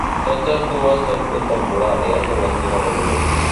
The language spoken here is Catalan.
Totes dues són contemporànies en la seva elaboració.